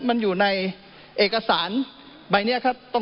มันอยู่ในเอกสารใบนี้ครับ